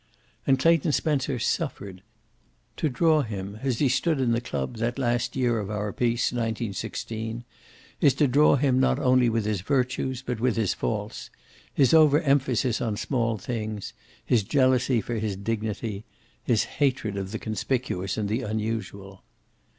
And Clayton Spencer suffered. To draw him as he stood in the club that last year of our peace, 1916, is to draw him not only with his virtues but with his faults; his over emphasis on small things; his jealousy for his dignity; his hatred of the conspicuous and the unusual.